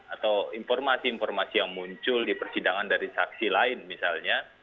atau informasi informasi yang muncul di persidangan dari saksi lain misalnya